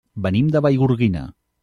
Venim de Vallgorguina.